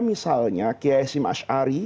misalnya kiai sim ash'ari